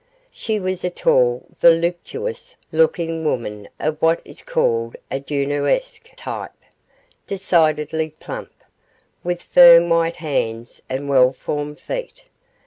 She was a tall voluptuous looking woman of what is called a Junoesque type decidedly plump, with firm white hands and well formed feet.